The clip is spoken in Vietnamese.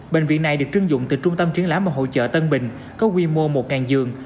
bệnh viện này được trưng dụng từ trung tâm chiến lãm và hỗ trợ tân bình có quy mô một giường